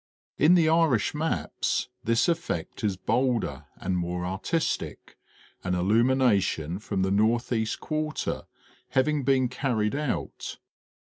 In the Irish maps this effect is bolder and more artistic, an illumination from the northeast quarter having been carried out.